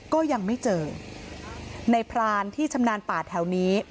ก็ยังไม่เจอในพรานที่ชำนาญป่าแถวนี้